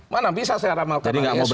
mana bisa saya ramah kepada hari esok